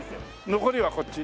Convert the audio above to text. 残りはこっち？